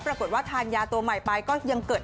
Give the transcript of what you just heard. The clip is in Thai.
ปรากฏว่าทานยาตัวใหม่ไปก็ยังเกิด